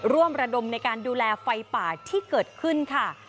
ระดมในการดูแลไฟป่าที่เกิดขึ้นค่ะ